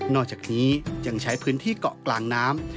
อกจากนี้ยังใช้พื้นที่เกาะกลางน้ำ